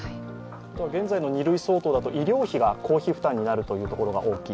現在の二類相当だと医療費が公費負担になるところが大きい。